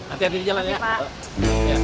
hati hati di jalan ya